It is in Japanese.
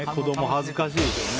恥ずかしいですね。